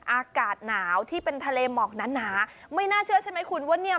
อากาศหนาวที่เป็นทะเลหมอกหนาหนาไม่น่าเชื่อใช่ไหมคุณว่าเนี่ย